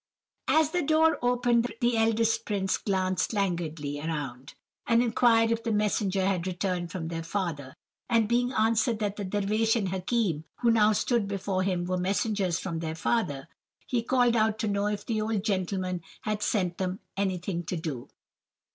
"As the door opened, the eldest prince glanced languidly round, and inquired if the messenger had returned from their father, and being answered that the Dervish and Hakim, who now stood before him, were messengers from their father, he called out to know if the old gentleman had sent them anything to do!